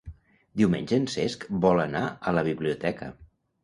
Diumenge en Cesc vol anar a la biblioteca.